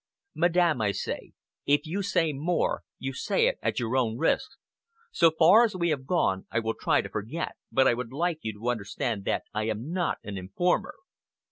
"Madame," I said, "if you say more, you say it at your own risk. So far as we have gone I will try to forget. But I would like you to understand that I am not an informer."